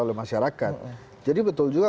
oleh masyarakat jadi betul juga